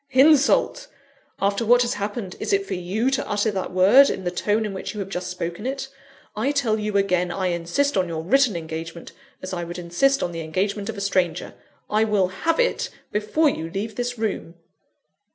"Insult! After what has happened, is it for you to utter that word in the tone in which you have just spoken it? I tell you again, I insist on your written engagement as I would insist on the engagement of a stranger I will have it, before you leave this room!"